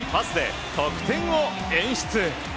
素早いパスで得点を演出。